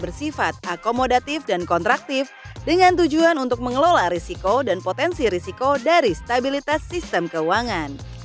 bersifat akomodatif dan kontraktif dengan tujuan untuk mengelola risiko dan potensi risiko dari stabilitas sistem keuangan